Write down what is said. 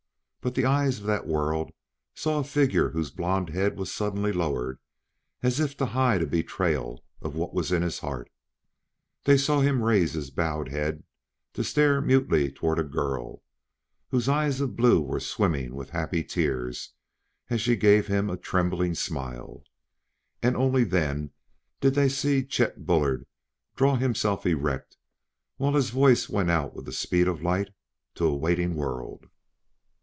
But the eyes of that world saw a figure whose blond head was suddenly lowered as if to hide a betrayal of what was in his heart; they saw him raise his bowed head to stare mutely toward a girl whose eyes of blue were swimming with happy tears as she gave him a trembling smile and only then did they see Chet Bullard draw himself erect, while his voice went out with the speed of light to a waiting world.